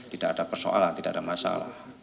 tidak ada persoalan tidak ada masalah